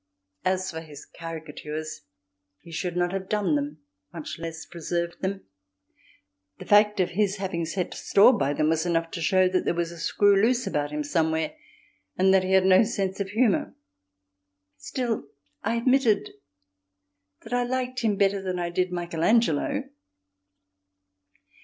As for his caricatures he should not have done them, much less preserved them; the fact of his having set store by them was enough to show that there was a screw loose about him somewhere and that he had no sense of humour. Still, I admitted that I liked him better than I did Michael Angelo.